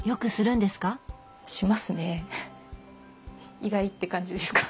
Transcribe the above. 意外って感じですか？